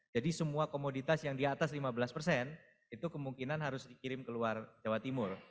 jadi semua komoditas yang di atas lima belas itu kemungkinan harus dikirim ke luar jawa timur